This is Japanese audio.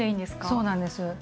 そうなんです。